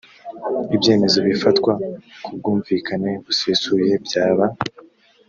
ibyemezo bifatwa ku bwumvikane busesuye byaba